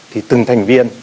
thì từng nước sẽ được nâng cao